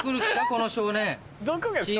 この少年。